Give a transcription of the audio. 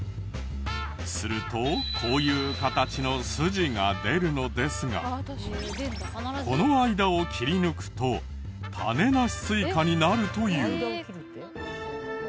するとこういう形の筋が出るのですがこの間を切りぬくと種なしスイカになるという。